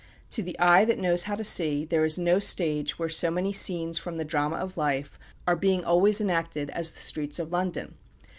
To the eye that knows how to see, there is no stage where so many scenes from the drama of life are being always enacted as the streets of London.